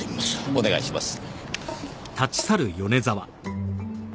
お願いします。